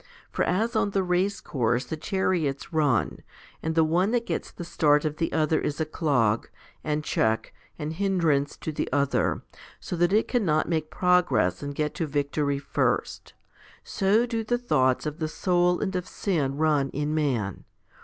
For as on the race course the chariots run, and the one that gets the start of the other is a clog, and check, and hindrance to the other, so that it cannot make progress and get to victory first, so do the thoughts of the soul and of sin run in man.